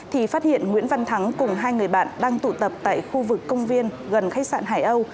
thì phát hiện nguyễn văn thắng cùng hai người bạn đang tụ tập tại khu vực công viên gần khách sạn hải âu